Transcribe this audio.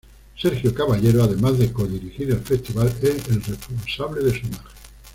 Sergio Caballero además de co-dirigir el festival es el responsable de su imagen.